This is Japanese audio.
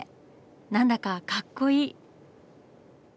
何だかかっこいい。